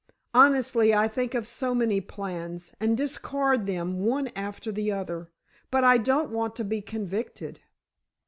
Honestly, I think of so many plans, and discard them one after the other. But I don't want to be convicted!"